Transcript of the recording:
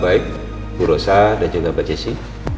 baik bu rosa dan juga pak jesse